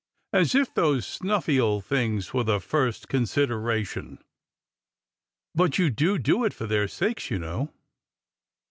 " Aa if those snuflFy old things were the first consideration !"" But you do it for their sakes, you know."